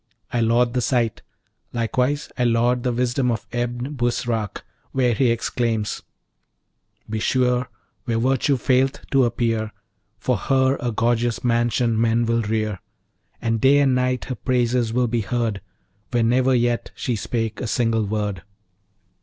I laud the site! Likewise I laud the wisdom of Ebn Busrac, where he exclaims: "Be sure, where Virtue faileth to appear, For her a gorgeous mansion men will rear; And day and night her praises will be heard, Where never yet she spake a single word."'